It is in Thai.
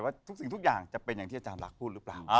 ว่าทุกสิ่งทุกอย่างก็จะเป็นอย่างที่อาจารย์หรือเปล่า